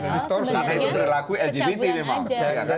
di store sana itu berlaku lgbt memang